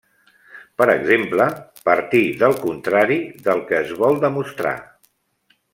Per exemple, partir del contrari del que es vol demostrar.